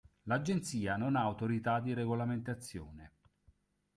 L'agenzia non ha autorità di regolamentazione.